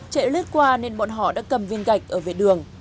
chạy lướt qua nên bọn họ đã cầm viên gạch ở vệ đường